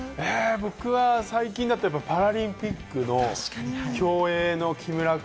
僕は最近だとパラリンピックの競泳の木村君。